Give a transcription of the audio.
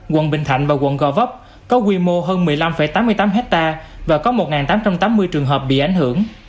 quận bình thạnh và quận gò vấp có quy mô hơn một mươi năm tám mươi tám hectare và có một tám trăm tám mươi trường hợp bị ảnh hưởng